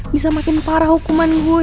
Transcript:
bisa makin parah hukuman gue